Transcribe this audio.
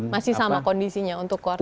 masih sama kondisinya untuk keluarga